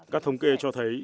các thống kê cho thấy